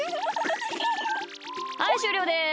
はいしゅうりょうです。